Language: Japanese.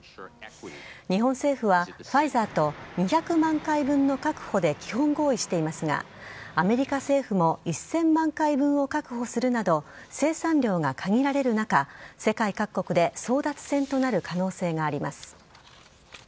日本政府はファイザーと２００万回分の確保で基本合意していますがアメリカ政府も１０００万回分を確保するなど生産量が限られる中世界各国で争奪戦となる可能性があります。